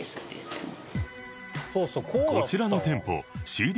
こちらの店舗 ＣＤ